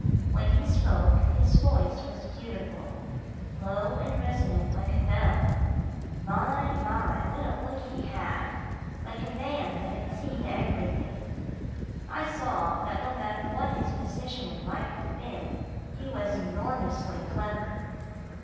When he spoke, his voice was beautiful low and resonant like a bell. My! my! what a look he had like a man that had seen everything. I saw that no matter what his position in life had been, he was enormously clever.